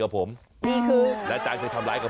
อาจารย์ทำเล่นไป